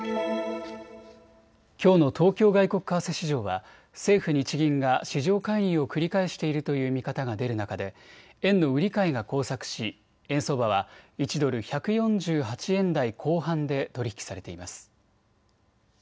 きょうの東京外国為替市場は政府・日銀が市場介入を繰り返しているという見方が出る中で円の売り買いが交錯し円相場は１ドル１４８円台後半で取り引きされています。